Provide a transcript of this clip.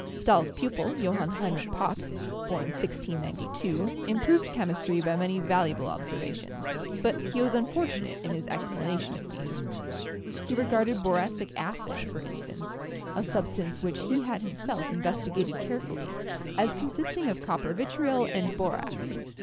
Stahl's pupil, Johann Heinrich Pott (born 1692), improved chem istry by many valuable observations, but he was unfor tunate in his explanation of these. He regarded boracic acid, for instance — a substance which he had himself in vestigated carefully — as consisting of copper vitriol and borax.